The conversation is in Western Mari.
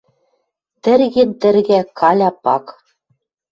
Тӹрген-тӹргӓ Каля пак